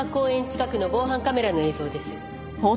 近くの防犯カメラの映像です。